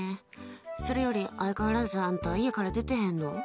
それより相変わらず家から出てへんの？